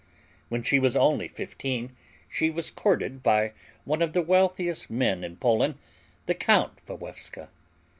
When she was only fifteen she was courted by one of the wealthiest men in Poland, the Count Walewska.